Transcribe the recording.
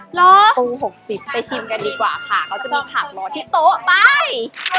ปู๖๐ไปชิมกันดีกว่าค่ะเขาจะมีผักมาที่โต๊ะไป